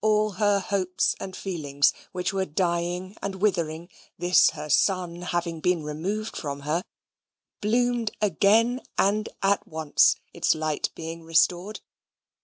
All her hopes and feelings, which were dying and withering, this her sun having been removed from her, bloomed again and at once, its light being restored.